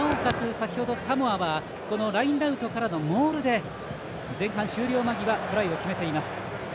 先ほどサモアはラインアウトからのモールで前半終了間際トライを決めています。